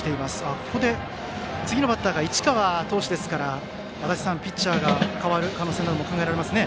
ここで次のバッターが市川投手ですからピッチャーが代わる可能性も考えられますね。